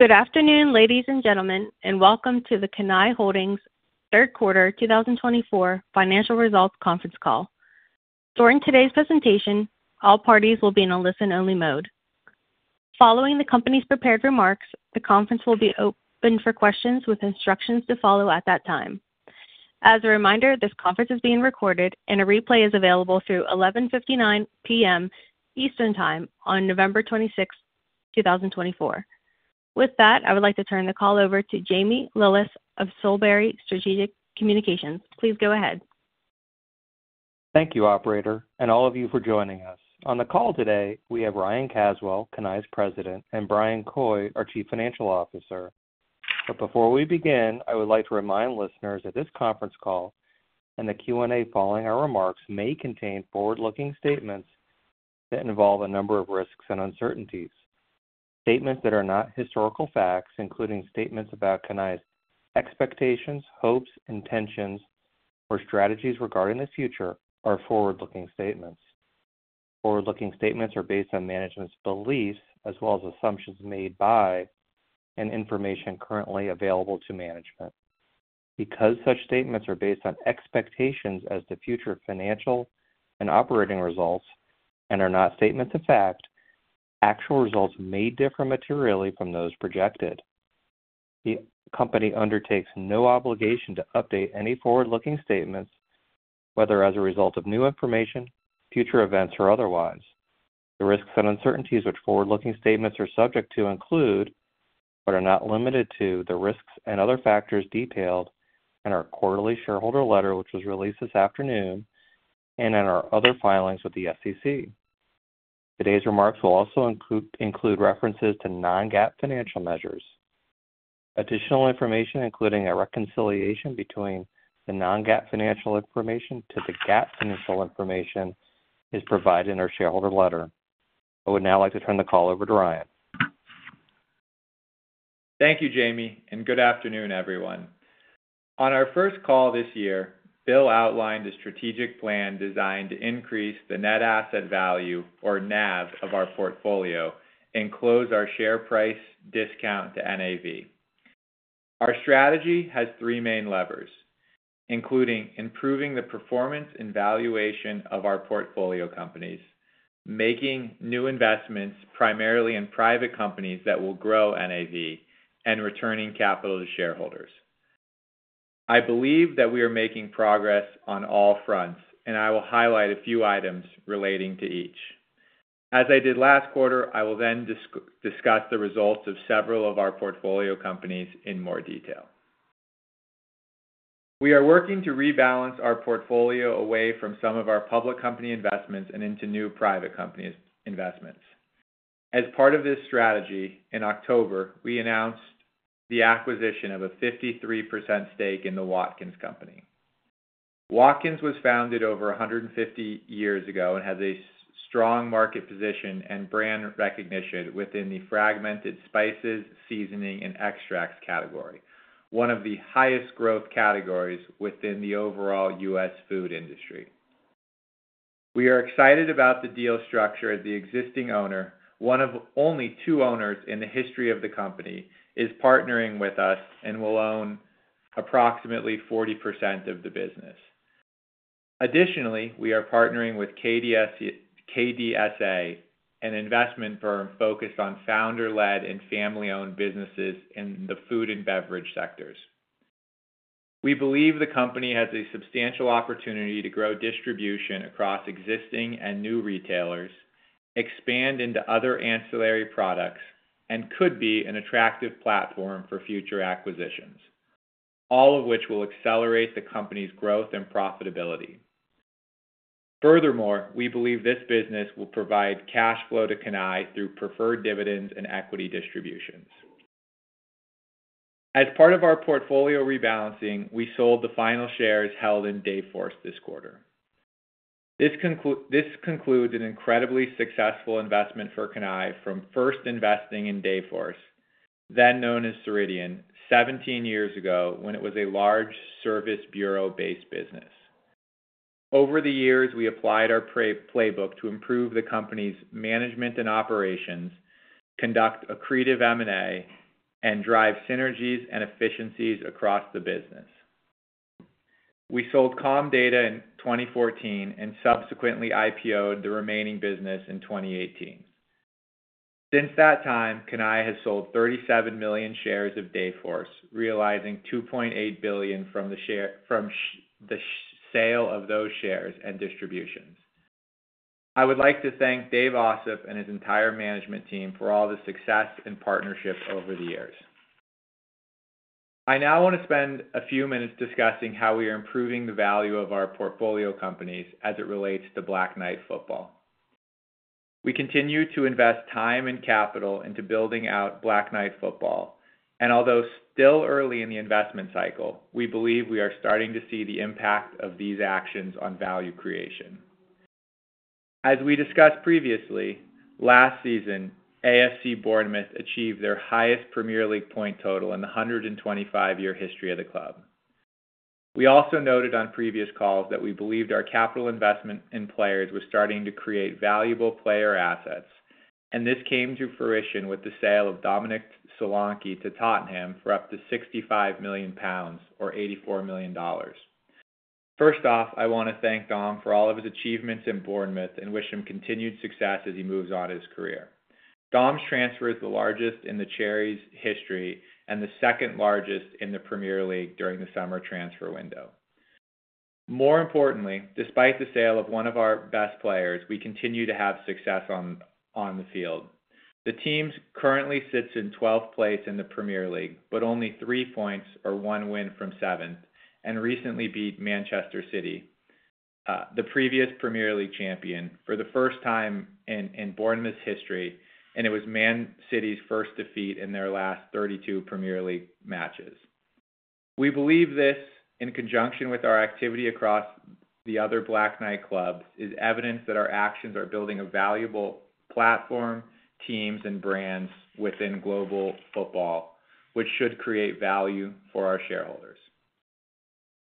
Good afternoon, ladies and gentlemen, and welcome to the Cannae Holdings' third quarter 2024 financial results conference call. During today's presentation, all parties will be in a listen-only mode. Following the company's prepared remarks, the conference will be open for questions with instructions to follow at that time. As a reminder, this conference is being recorded, and a replay is available through 11:59 P.M. Eastern Time on November 26, 2024. With that, I would like to turn the call over to Jamie Lillis of Solebury Strategic Communications. Please go ahead. Thank you, Operator, and all of you for joining us. On the call today, we have Ryan Caswell, Cannae's president, and Bryan Coy, our chief financial officer. But before we begin, I would like to remind listeners that this conference call and the Q&A following our remarks may contain forward-looking statements that involve a number of risks and uncertainties. Statements that are not historical facts, including statements about Cannae's expectations, hopes, intentions, or strategies regarding the future, are forward-looking statements. Forward-looking statements are based on management's beliefs as well as assumptions made by and information currently available to management. Because such statements are based on expectations as to future financial and operating results and are not statements of fact, actual results may differ materially from those projected. The company undertakes no obligation to update any forward-looking statements, whether as a result of new information, future events, or otherwise. The risks and uncertainties which forward-looking statements are subject to include, but are not limited to, the risks and other factors detailed in our quarterly shareholder letter, which was released this afternoon, and in our other filings with the SEC. Today's remarks will also include references to non-GAAP financial measures. Additional information, including a reconciliation between the non-GAAP financial information to the GAAP financial information, is provided in our shareholder letter. I would now like to turn the call over to Ryan. Thank you, Jamie, and good afternoon, everyone. On our first call this year, Bill outlined a strategic plan designed to increase the net asset value, or NAV, of our portfolio and close our share price discount to NAV. Our strategy has three main levers, including improving the performance and valuation of our portfolio companies, making new investments primarily in private companies that will grow NAV, and returning capital to shareholders. I believe that we are making progress on all fronts, and I will highlight a few items relating to each. As I did last quarter, I will then discuss the results of several of our portfolio companies in more detail. We are working to rebalance our portfolio away from some of our public company investments and into new private company investments. As part of this strategy, in October, we announced the acquisition of a 53% stake in The Watkins Company. Watkins was founded over 150 years ago and has a strong market position and brand recognition within the fragmented spices, seasoning, and extracts category, one of the highest growth categories within the overall U.S. food industry. We are excited about the deal structure. The existing owner, one of only two owners in the history of the company, is partnering with us and will own approximately 40% of the business. Additionally, we are partnering with KDSA, an investment firm focused on founder-led and family-owned businesses in the food and beverage sectors. We believe the company has a substantial opportunity to grow distribution across existing and new retailers, expand into other ancillary products, and could be an attractive platform for future acquisitions, all of which will accelerate the company's growth and profitability. Furthermore, we believe this business will provide cash flow to Cannae through preferred dividends and equity distributions. As part of our portfolio rebalancing, we sold the final shares held in Dayforce this quarter. This concludes an incredibly successful investment for Cannae from first investing in Dayforce, then known as Ceridian, 17 years ago when it was a large service bureau-based business. Over the years, we applied our playbook to improve the company's management and operations, conduct accretive M&A, and drive synergies and efficiencies across the business. We sold Comdata in 2014 and subsequently IPO'd the remaining business in 2018. Since that time, Cannae has sold 37 million shares of Dayforce, realizing $2.8 billion from the sale of those shares and distributions. I would like to thank Dave Ossip and his entire management team for all the success and partnership over the years. I now want to spend a few minutes discussing how we are improving the value of our portfolio companies as it relates to Black Knight Football. We continue to invest time and capital into building out Black Knight Football, and although still early in the investment cycle, we believe we are starting to see the impact of these actions on value creation. As we discussed previously, last season, AFC Bournemouth achieved their highest Premier League point total in the 125-year history of the club. We also noted on previous calls that we believed our capital investment in players was starting to create valuable player assets, and this came to fruition with the sale of Dominic Solanke to Tottenham for up to 65 million pounds, or $84 million. First off, I want to thank Dom for all of his achievements in Bournemouth and wish him continued success as he moves on in his career. Dom's transfer is the largest in the Cherries' history and the second largest in the Premier League during the summer transfer window. More importantly, despite the sale of one of our best players, we continue to have success on the field. The team currently sits in 12th place in the Premier League, but only three points or one win from seventh, and recently beat Manchester City, the previous Premier League champion, for the first time in Bournemouth's history, and it was Man City's first defeat in their last 32 Premier League matches. We believe this, in conjunction with our activity across the other Black Knight clubs, is evidence that our actions are building a valuable platform, teams, and brands within global football, which should create value for our shareholders.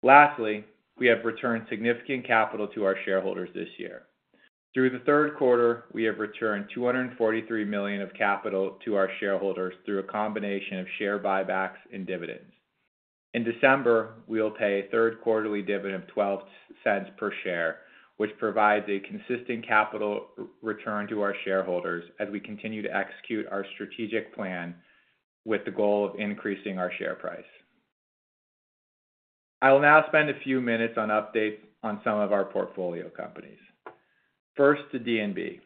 Lastly, we have returned significant capital to our shareholders this year. Through the third quarter, we have returned $243 million of capital to our shareholders through a combination of share buybacks and dividends. In December, we will pay a third quarterly dividend of $0.12 per share, which provides a consistent capital return to our shareholders as we continue to execute our strategic plan with the goal of increasing our share price. I will now spend a few minutes on updates on some of our portfolio companies. First, to D&B.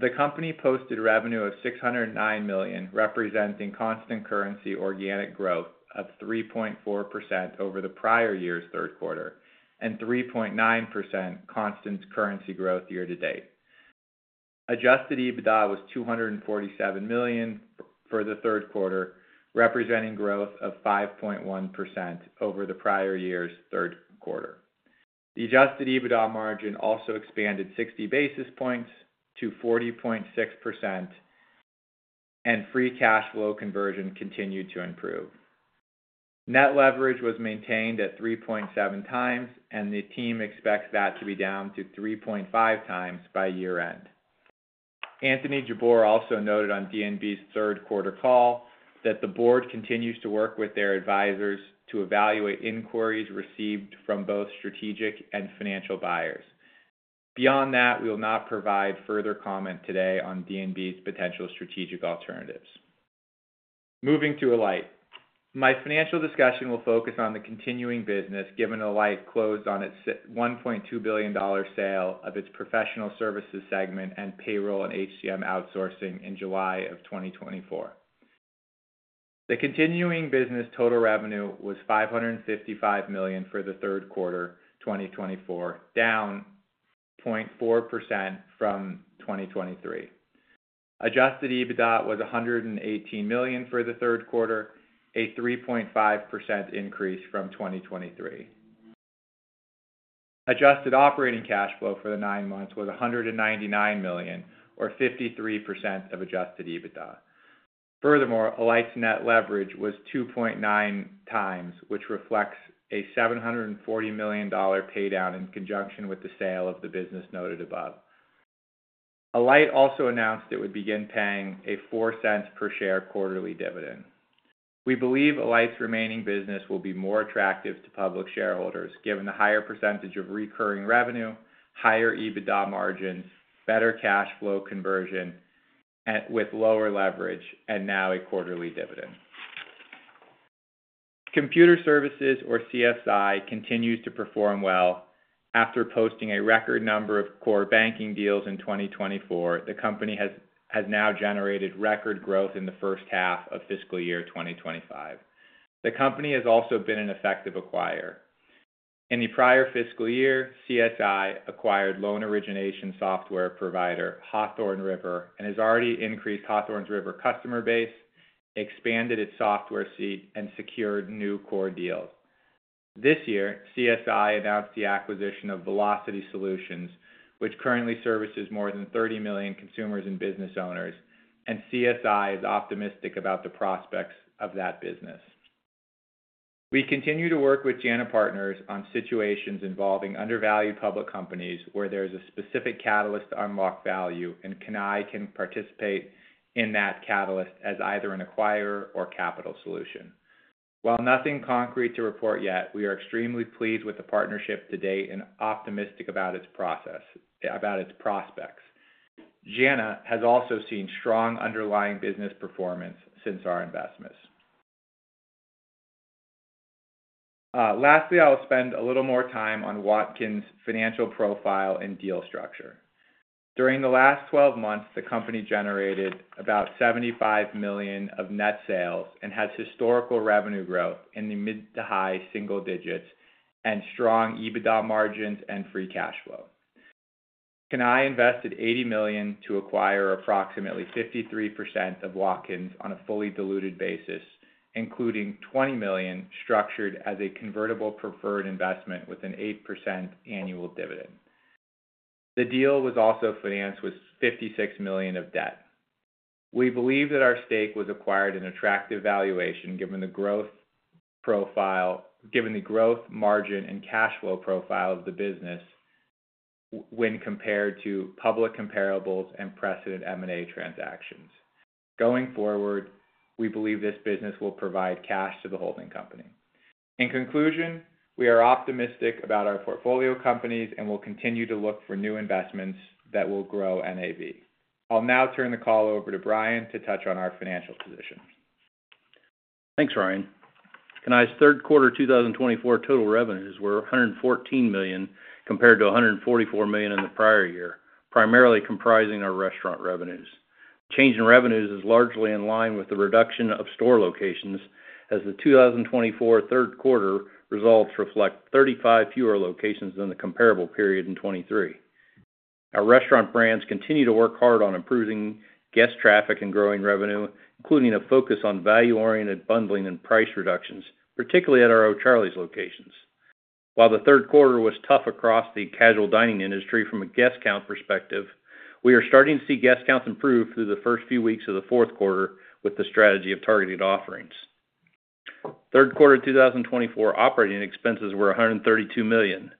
The company posted revenue of $609 million, representing constant currency organic growth of 3.4% over the prior year's third quarter and 3.9% constant currency growth year to date. Adjusted EBITDA was $247 million for the third quarter, representing growth of 5.1% over the prior year's third quarter. The adjusted EBITDA margin also expanded 60 basis points to 40.6%, and free cash flow conversion continued to improve. Net leverage was maintained at 3.7 times, and the team expects that to be down to 3.5 times by year-end. Anthony Jabbour also noted on D&B's third quarter call that the board continues to work with their advisors to evaluate inquiries received from both strategic and financial buyers. Beyond that, we will not provide further comment today on D&B's potential strategic alternatives. Moving to Alight. My financial discussion will focus on the continuing business, given Alight closed on its $1.2 billion sale of its professional services segment and payroll and HCM outsourcing in July of 2024. The continuing business total revenue was $555 million for the third quarter 2024, down 0.4% from 2023. Adjusted EBITDA was $118 million for the third quarter, a 3.5% increase from 2023. Adjusted operating cash flow for the nine months was $199 million, or 53% of adjusted EBITDA. Furthermore, Alight's net leverage was 2.9 times, which reflects a $740 million paydown in conjunction with the sale of the business noted above. Alight also announced it would begin paying a $0.04 per share quarterly dividend. We believe Alight's remaining business will be more attractive to public shareholders, given the higher percentage of recurring revenue, higher EBITDA margins, better cash flow conversion with lower leverage, and now a quarterly dividend. Computer Services, or CSI, continues to perform well. After posting a record number of core banking deals in 2024, the company has now generated record growth in the first half of fiscal year 2025. The company has also been an effective acquirer. In the prior fiscal year, CSI acquired loan origination software provider Hawthorne River and has already increased Hawthorne River's customer base, expanded its software seat, and secured new core deals. This year, CSI announced the acquisition of Velocity Solutions, which currently services more than 30 million consumers and business owners, and CSI is optimistic about the prospects of that business. We continue to work with JANA Partners on situations involving undervalued public companies where there is a specific catalyst to unlock value, and Cannae can participate in that catalyst as either an acquirer or capital solution. While nothing concrete to report yet, we are extremely pleased with the partnership to date and optimistic about its prospects. JANA has also seen strong underlying business performance since our investments. Lastly, I'll spend a little more time on Watkins' financial profile and deal structure. During the last 12 months, the company generated about $75 million of net sales and has historical revenue growth in the mid- to high-single digits and strong EBITDA margins and free cash flow. Cannae invested $80 million to acquire approximately 53% of Watkins on a fully diluted basis, including $20 million structured as a convertible preferred investment with an 8% annual dividend. The deal was also financed with $56 million of debt. We believe that our stake was acquired at an attractive valuation given the growth margin and cash flow profile of the business when compared to public comparables and precedent M&A transactions. Going forward, we believe this business will provide cash to the holding company. In conclusion, we are optimistic about our portfolio companies and will continue to look for new investments that will grow NAV. I'll now turn the call over to Bryan to touch on our financial position. Thanks, Ryan. Cannae's third quarter 2024 total revenues were $114 million compared to $144 million in the prior year, primarily comprising our restaurant revenues. Change in revenues is largely in line with the reduction of store locations, as the 2024 third quarter results reflect 35 fewer locations than the comparable period in 2023. Our restaurant brands continue to work hard on improving guest traffic and growing revenue, including a focus on value-oriented bundling and price reductions, particularly at our O'Charley's locations. While the third quarter was tough across the casual dining industry from a guest count perspective, we are starting to see guest counts improve through the first few weeks of the fourth quarter with the strategy of targeted offerings. Third quarter 2024 operating expenses were $132 million,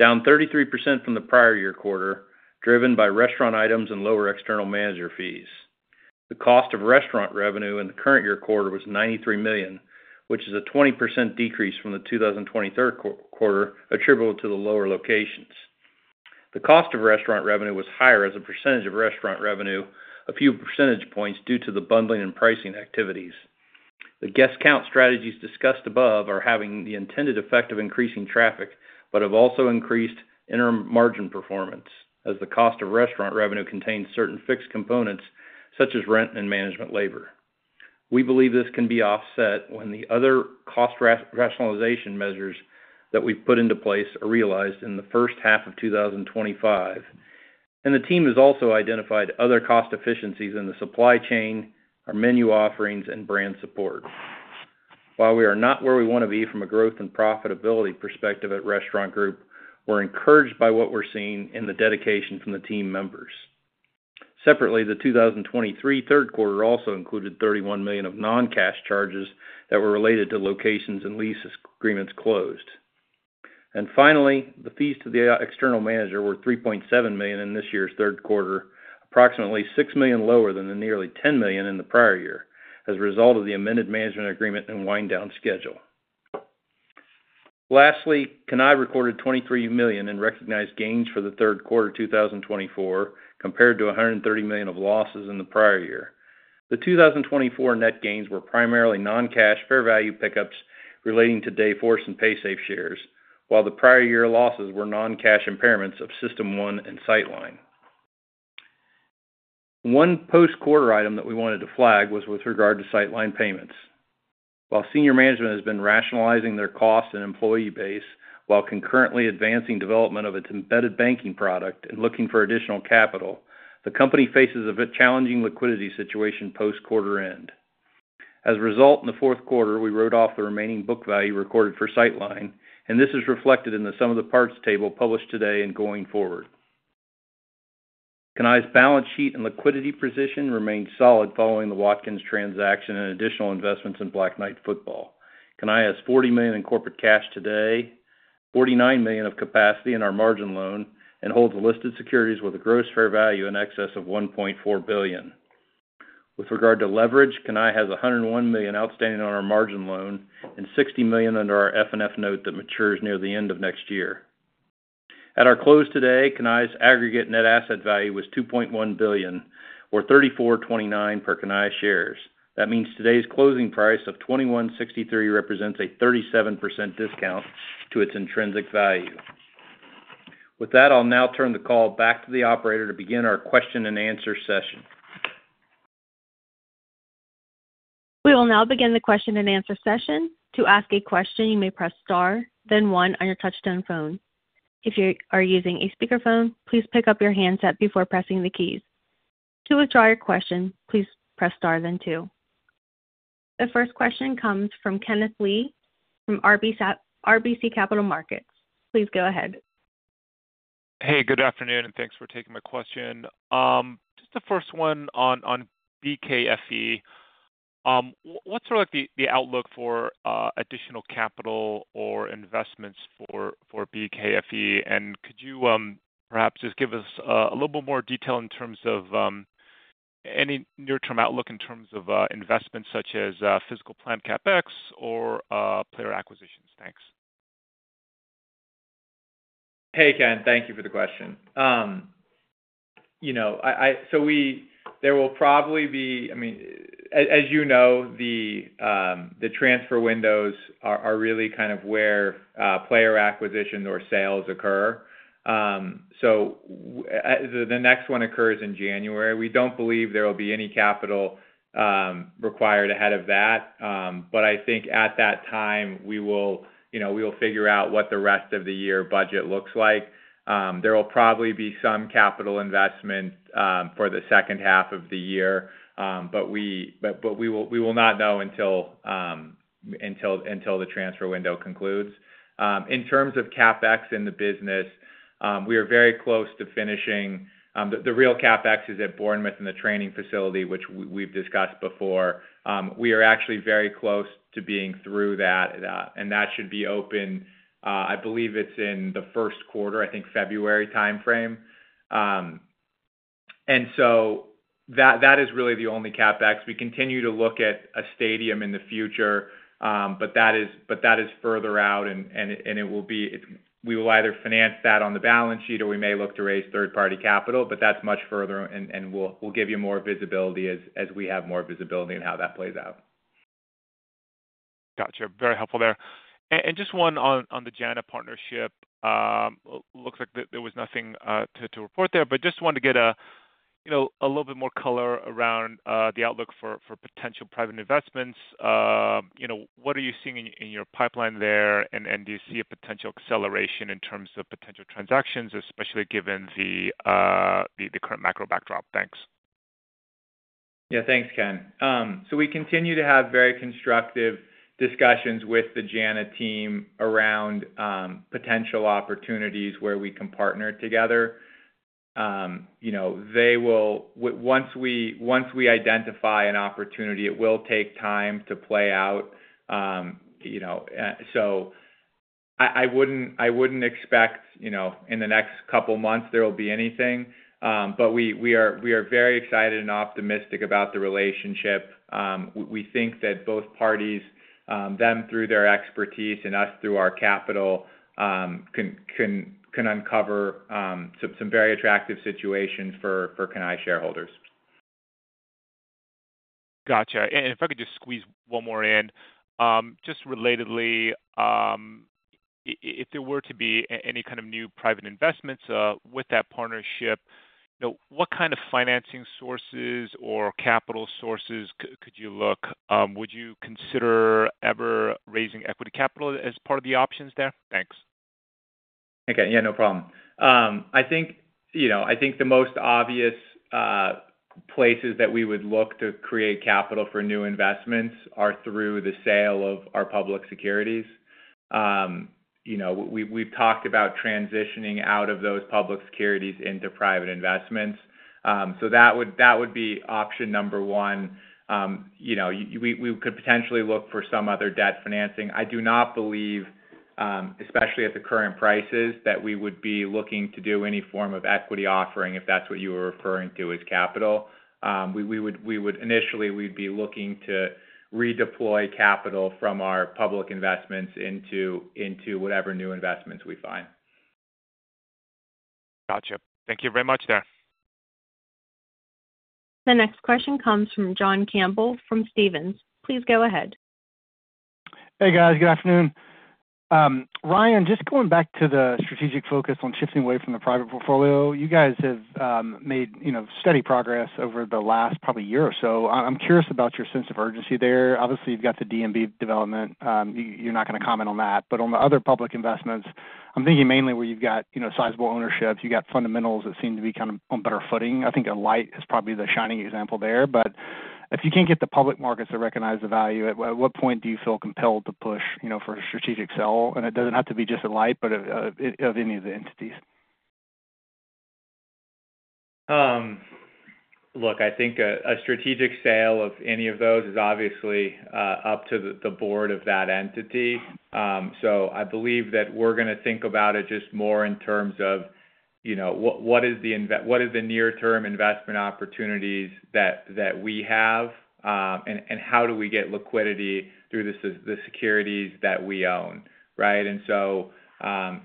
down 33% from the prior year quarter, driven by restaurant items and lower external manager fees. The cost of restaurant revenue in the current year quarter was $93 million, which is a 20% decrease from the 2023 quarter attributable to the lower locations. The cost of restaurant revenue was higher as a percentage of restaurant revenue, a few percentage points due to the bundling and pricing activities. The guest count strategies discussed above are having the intended effect of increasing traffic, but have also increased interim margin performance, as the cost of restaurant revenue contains certain fixed components such as rent and management labor. We believe this can be offset when the other cost rationalization measures that we've put into place are realized in the first half of 2025, and the team has also identified other cost efficiencies in the supply chain, our menu offerings, and brand support. While we are not where we want to be from a growth and profitability perspective at Restaurant Group, we're encouraged by what we're seeing in the dedication from the team members. Separately, the 2023 third quarter also included $31 million of non-cash charges that were related to locations and lease agreements closed. And finally, the fees to the external manager were $3.7 million in this year's third quarter, approximately $6 million lower than the nearly $10 million in the prior year, as a result of the amended management agreement and wind-down schedule. Lastly, Cannae recorded $23 million in recognized gains for the third quarter 2024, compared to $130 million of losses in the prior year. The 2024 net gains were primarily non-cash fair value pickups relating to Dayforce and Paysafe shares, while the prior year losses were non-cash impairments of System1 and Sightline. One post-quarter item that we wanted to flag was with regard to Sightline Payments. While senior management has been rationalizing their cost and employee base, while concurrently advancing development of its embedded banking product and looking for additional capital, the company faces a challenging liquidity situation post-quarter end. As a result, in the fourth quarter, we wrote off the remaining book value recorded for Sightline, and this is reflected in the sum of the parts table published today and going forward. Cannae's balance sheet and liquidity position remained solid following the Watkins transaction and additional investments in Black Knight Football. Cannae has $40 million in corporate cash today, $49 million of capacity in our margin loan, and holds listed securities with a gross fair value in excess of $1.4 billion. With regard to leverage, Cannae has $101 million outstanding on our margin loan and $60 million under our F&F note that matures near the end of next year. At our close today, Cannae's aggregate net asset value was $2.1 billion, or $34.29 per Cannae shares. That means today's closing price of $21.63 represents a 37% discount to its intrinsic value. With that, I'll now turn the call back to the operator to begin our question and answer session. We will now begin the question and answer session. To ask a question, you may press star, then one on your touch-tone phone. If you are using a speakerphone, please pick up your handset before pressing the keys. To withdraw your question, please press star, then two. The first question comes from Kenneth Lee from RBC Capital Markets. Please go ahead. Hey, good afternoon, and thanks for taking my question. Just the first one on BKFC. What's sort of the outlook for additional capital or investments for BKFC? And could you perhaps just give us a little bit more detail in terms of any near-term outlook in terms of investments such as physical plant CapEx or player acquisitions? Thanks. Hey, Ken. Thank you for the question. There will probably be, I mean, as you know, the transfer windows are really kind of where player acquisitions or sales occur. The next one occurs in January. We don't believe there will be any capital required ahead of that. But I think at that time, we will figure out what the rest of the year budget looks like. There will probably be some capital investment for the second half of the year, but we will not know until the transfer window concludes. In terms of CapEx in the business, we are very close to finishing. The real CapEx is at Bournemouth in the training facility, which we've discussed before. We are actually very close to being through that, and that should be open. I believe it's in the first quarter, I think February timeframe. And so that is really the only CapEx. We continue to look at a stadium in the future, but that is further out, and it will be we will either finance that on the balance sheet or we may look to raise third-party capital, but that's much further, and we'll give you more visibility as we have more visibility in how that plays out. Gotcha. Very helpful there. And just one on the JANA partnership. Looks like there was nothing to report there, but just wanted to get a little bit more color around the outlook for potential private investments. What are you seeing in your pipeline there, and do you see a potential acceleration in terms of potential transactions, especially given the current macro backdrop? Thanks. Yeah, thanks, Ken. So we continue to have very constructive discussions with the JANA team around potential opportunities where we can partner together. Once we identify an opportunity, it will take time to play out. So I wouldn't expect in the next couple of months there will be anything, but we are very excited and optimistic about the relationship. We think that both parties, them through their expertise and us through our capital, can uncover some very attractive situations for Cannae shareholders. Gotcha. And if I could just squeeze one more in, just relatedly, if there were to be any kind of new private investments with that partnership, what kind of financing sources or capital sources could you look? Would you consider ever raising equity capital as part of the options there? Thanks. Okay. Yeah, no problem. I think the most obvious places that we would look to create capital for new investments are through the sale of our public securities. We've talked about transitioning out of those public securities into private investments, so that would be option number one. We could potentially look for some other debt financing. I do not believe, especially at the current prices, that we would be looking to do any form of equity offering if that's what you were referring to as capital. Initially, we'd be looking to redeploy capital from our public investments into whatever new investments we find. Gotcha. Thank you very much there. The next question comes from John Campbell from Stephens. Please go ahead. Hey, guys. Good afternoon. Ryan, just going back to the strategic focus on shifting away from the private portfolio, you guys have made steady progress over the last probably year or so. I'm curious about your sense of urgency there. Obviously, you've got the D&B development. You're not going to comment on that. But on the other public investments, I'm thinking mainly where you've got sizable ownership, you've got fundamentals that seem to be kind of on better footing. I think Alight is probably the shining example there. But if you can't get the public markets to recognize the value, at what point do you feel compelled to push for a strategic sale? And it doesn't have to be just Alight, but of any of the entities. Look, I think a strategic sale of any of those is obviously up to the board of that entity. So I believe that we're going to think about it just more in terms of what is the near-term investment opportunities that we have, and how do we get liquidity through the securities that we own, right? And so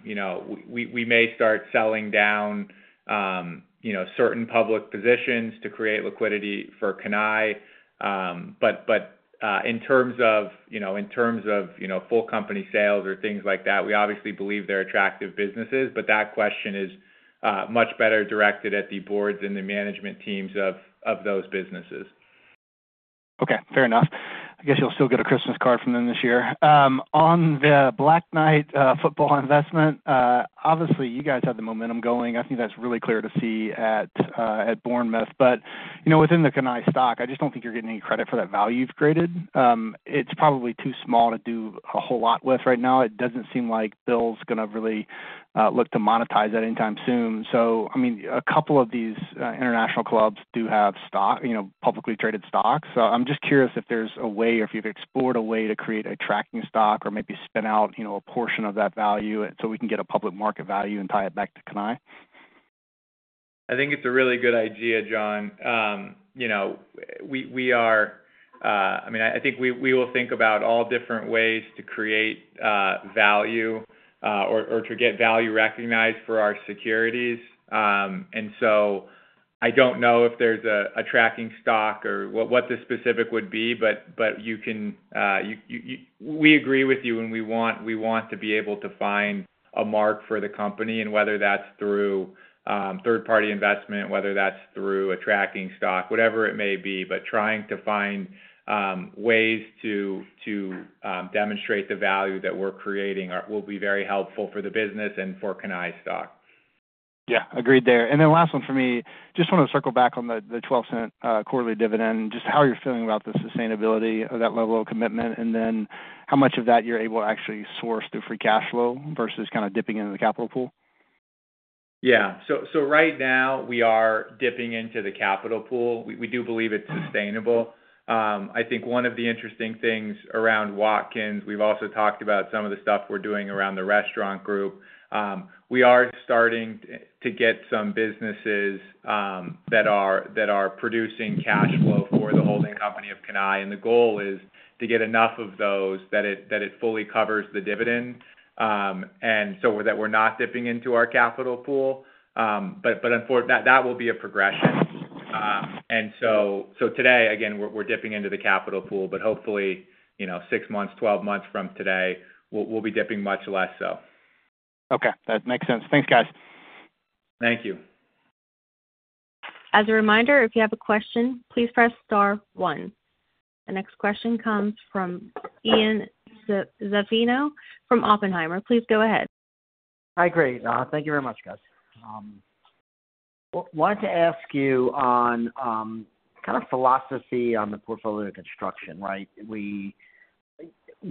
we may start selling down certain public positions to create liquidity for Cannae. But in terms of full company sales or things like that, we obviously believe they're attractive businesses, but that question is much better directed at the boards and the management teams of those businesses. Okay. Fair enough. I guess you'll still get a Christmas card from them this year. On the Black Knight Football investment, obviously, you guys have the momentum going. I think that's really clear to see at Bournemouth. But within the Cannae stock, I just don't think you're getting any credit for that value you've created. It's probably too small to do a whole lot with right now. It doesn't seem like Bill's going to really look to monetize that anytime soon. So, I mean, a couple of these international clubs do have publicly traded stocks. So I'm just curious if there's a way or if you've explored a way to create a tracking stock or maybe spin out a portion of that value so we can get a public market value and tie it back to Cannae. I think it's a really good idea, John. We are, I mean, I think we will think about all different ways to create value or to get value recognized for our securities, and so I don't know if there's a tracking stock or what the specific would be, but we agree with you and we want to be able to find a mark for the company, and whether that's through third-party investment, whether that's through a tracking stock, whatever it may be, but trying to find ways to demonstrate the value that we're creating will be very helpful for the business and for Cannae stock. Yeah. Agreed there. And then last one for me, just want to circle back on the $0.12 quarterly dividend, just how you're feeling about the sustainability of that level of commitment, and then how much of that you're able to actually source through Free Cash Flow versus kind of dipping into the capital pool? Yeah. So right now, we are dipping into the capital pool. We do believe it's sustainable. I think one of the interesting things around Watkins, we've also talked about some of the stuff we're doing around the Restaurant Group. We are starting to get some businesses that are producing cash flow for the holding company of Cannae. And the goal is to get enough of those that it fully covers the dividend, and so that we're not dipping into our capital pool. But that will be a progression. And so today, again, we're dipping into the capital pool, but hopefully, 6 months, 12 months from today, we'll be dipping much less, so. Okay. That makes sense. Thanks, guys. Thank you. As a reminder, if you have a question, please press star one. The next question comes from Ian Zaffino from Oppenheimer. Please go ahead. Hi, great. Thank you very much, guys. Wanted to ask you on kind of philosophy on the portfolio construction, right? When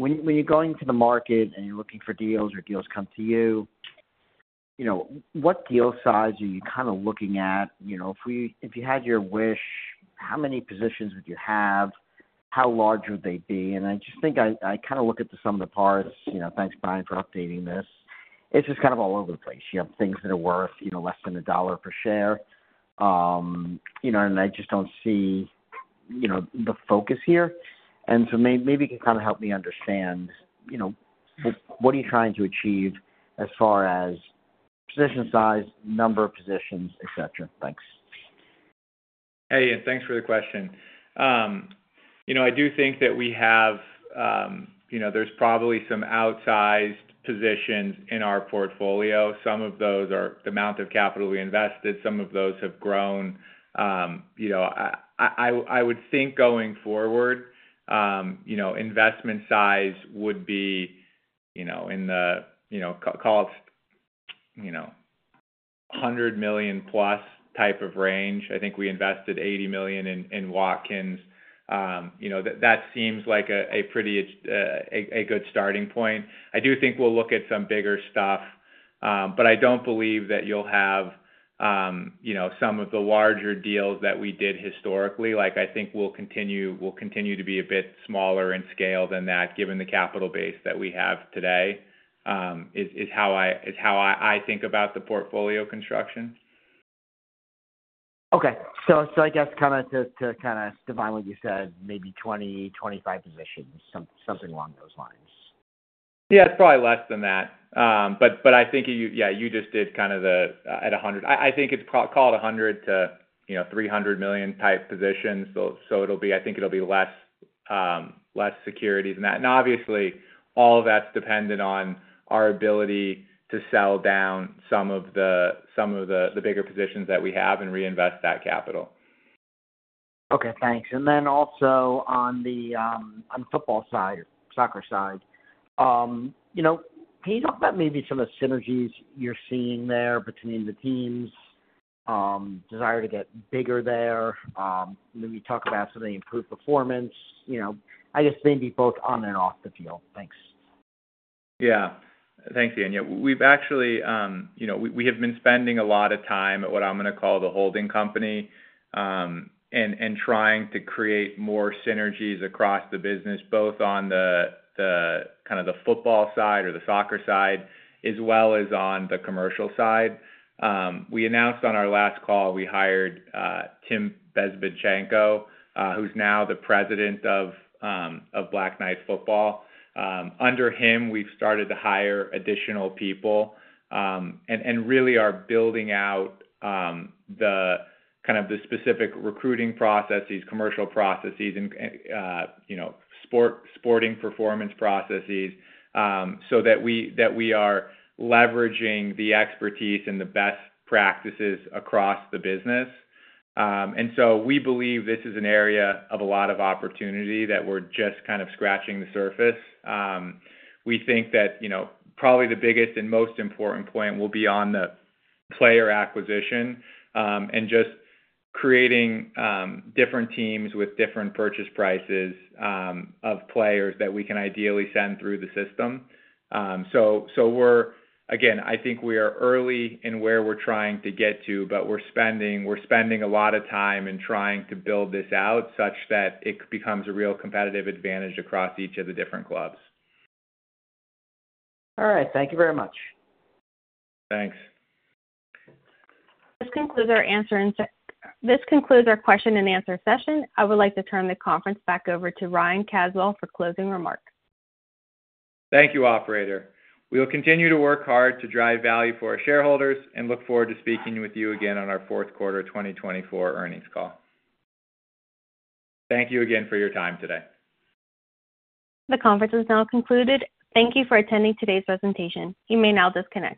you're going to the market and you're looking for deals or deals come to you, what deal size are you kind of looking at? If you had your wish, how many positions would you have? How large would they be? And I just think I kind of look at some of the parts. Thanks, Bryan, for updating this. It's just kind of all over the place. You have things that are worth less than $1 per share, and I just don't see the focus here. And so maybe you can kind of help me understand what are you trying to achieve as far as position size, number of positions, etc. Thanks. Hey, and thanks for the question. I do think that we have, there's probably some outsized positions in our portfolio. Some of those are the amount of capital we invested. Some of those have grown. I would think going forward, investment size would be in the, call it $100 million plus type of range. I think we invested $80 million in Watkins. That seems like a pretty good starting point. I do think we'll look at some bigger stuff, but I don't believe that you'll have some of the larger deals that we did historically. I think we'll continue to be a bit smaller in scale than that, given the capital base that we have today is how I think about the portfolio construction. Okay. I guess kind of to define what you said, maybe 20, 25 positions, something along those lines. Yeah, it's probably less than that. But I think, yeah, you just did kind of the at $100 million-$300 million type positions. So I think it'll be less securities than that. And obviously, all of that's dependent on our ability to sell down some of the bigger positions that we have and reinvest that capital. Okay. Thanks, and then also on the football side, soccer side, can you talk about maybe some of the synergies you're seeing there between the teams, desire to get bigger there? Maybe talk about some of the improved performance, I guess maybe both on and off the field. Thanks. Yeah. Thanks, Ian. Yeah, we've actually been spending a lot of time at what I'm going to call the holding company and trying to create more synergies across the business, both on the kind of the football side or the soccer side as well as on the commercial side. We announced on our last call, we hired Tim Bezbatchenko, who's now the president of Black Knight Football. Under him, we've started to hire additional people and really are building out kind of the specific recruiting processes, commercial processes, and sporting performance processes so that we are leveraging the expertise and the best practices across the business. And so we believe this is an area of a lot of opportunity that we're just kind of scratching the surface. We think that probably the biggest and most important point will be on the player acquisition and just creating different teams with different purchase prices of players that we can ideally send through the system, so again, I think we are early in where we're trying to get to, but we're spending a lot of time in trying to build this out such that it becomes a real competitive advantage across each of the different clubs. All right. Thank you very much. Thanks. This concludes our answer and this concludes our question and answer session. I would like to turn the conference back over to Ryan Caswell for closing remarks. Thank you, operator. We'll continue to work hard to drive value for our shareholders and look forward to speaking with you again on our fourth quarter 2024 earnings call. Thank you again for your time today. The conference is now concluded. Thank you for attending today's presentation. You may now disconnect.